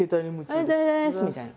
「おめでとうございます」みたいな。